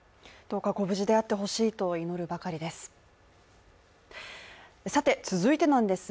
どうかご無事であってほしいと祈るばかりです。